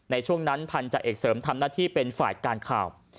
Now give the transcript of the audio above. ในช่วงนั้นพันธาเอกเสริมทำหน้าที่เป็นฝ่ายการข่าว